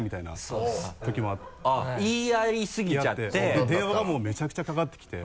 で電話がもうめちゃくちゃかかってきて。